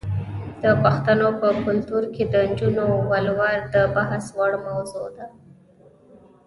د پښتنو په کلتور کې د نجونو ولور د بحث وړ موضوع ده.